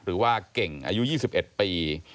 หรือว่าเก่งอายุ๒๑ปี